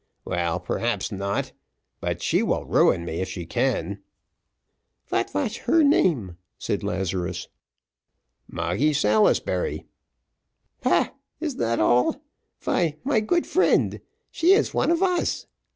"Well, perhaps not; but she will ruin me if she can." "Vat vash her name?" said Lazarus. "Moggy Salisbury." "Paah! is dat all? vy, my good friend, she is one of us.